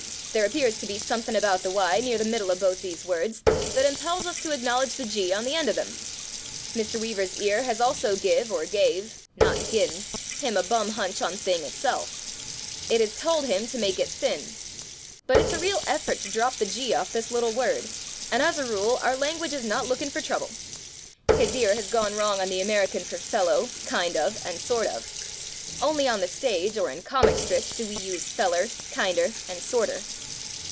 There ap pears to be somethin' about the y near the middle of both these words that impels us to acknowledge the g on the end of them. Mr. Weaver's ear has also give or gave (not gi'n) him a bum hunch on thing itself. It has told him to make it thin\ But it's a real ef fort to drop the g off this little word and, as a rule, our language is not looking for trouble. His ear has gone wrong on the American for fellow, kind of, and sort of. Only on the stage or in "comic strips" do we use feller, kinder, and sorter.